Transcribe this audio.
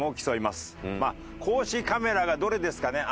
まあ公式カメラがどれですかね？